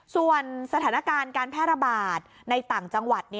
ส่วนสถานการณ์การแพร่ระบาดในต่างจังหวัด